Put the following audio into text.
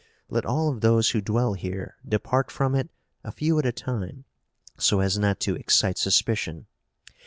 Let all of those who dwell here depart from it, a few at a time, so as not to excite suspicion.